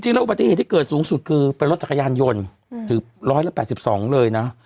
อุบัติเหตุที่เกิดสูงสุดคือเป็นรถจักรยานยนต์ถึง๑๘๒เลยนะ